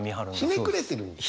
ひねくれてるんですね。